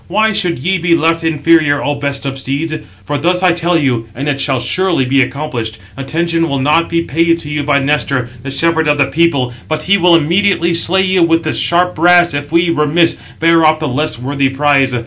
Why should ye be left inferior, O best [of steeds]? For thus I tell you, and it shall surely be accomplished; attention will not be paid to you by Nestor, the shepherd of the people, but he will immediately slay you with the sharp brass, if we, remiss, bear off the less worthy prize.